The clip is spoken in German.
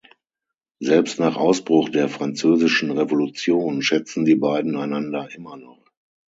Selbst nach Ausbruch der Französischen Revolution schätzen die beiden einander immer noch.